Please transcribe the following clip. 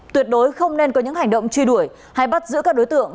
tuyệt đối không nên có những hành động truy đuổi hay bắt giữ các đối tượng